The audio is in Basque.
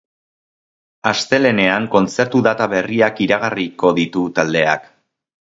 Astelehenean kontzertu data berriak iragarriko ditu taldeak.